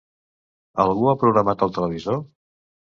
Algú ha programat el televisor?